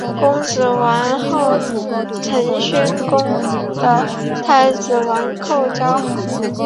公子完和陈宣公的太子御寇交好。